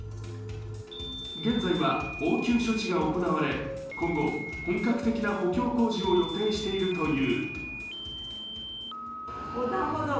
現在は応急処置が行われ、今後、本格的な補強工事を予定しているという。